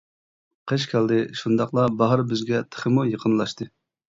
قىش كەلدى، شۇنداقلا باھار بىزگە تېخىمۇ يېقىنلاشتى.